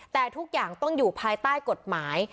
แต่ทุกอย่างต้องอยู่ภายใต้กฎหมาย